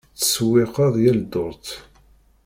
Ttsewwiqeɣ yal ddurt.